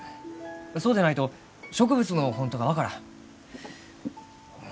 そうでないと植物の本当が分からん。